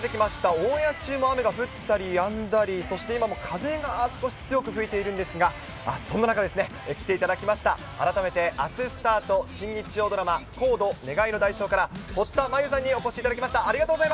オンエア中も雨が降ったりやんだり、そして、今も風が少し強く吹いているんですが、そんな中、来ていただきました、改めて、あすスタート、新日曜ドラマ、ＣＯＤＥ・願いの代償から堀田真由さんにお越しいただきました。